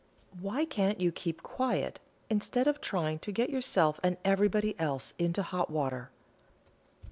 Why can't you keep quiet, instead of trying to get yourself and everybody else into hot water?"